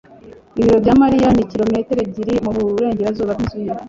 Ibiro bya Mariya ni kilometero ebyiri mu burengerazuba bw'inzu ye.